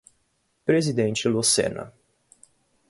Presidente Lucena